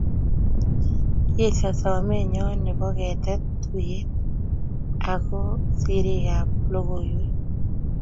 Kiesyo someenyo nebo ketet tuiyet ako siriikab logoiyweek.